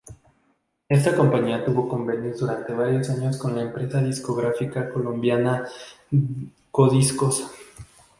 Esta compañía tuvo convenios durante varios años con la empresa discográfica colombiana Codiscos.